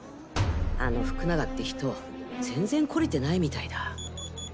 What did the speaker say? あの福永って人全然懲りてないみたいだ。